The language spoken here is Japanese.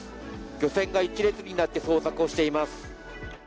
漁船が一列になって捜索をしています。